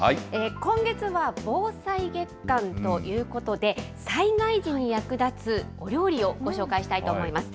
今月は防災月間ということで、災害時に役立つお料理をご紹介したいと思います。